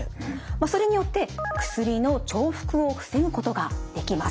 それによって薬の重複を防ぐことができます。